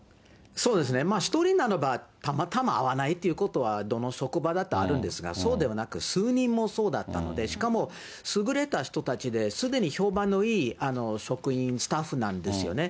そうですね、１人ならばたまたま合わないということはどの職場だってあるんですが、そうではなく、数人もそうだったので、しかも、優れた人たちで、すでに評判のいい職員、スタッフなんですよね。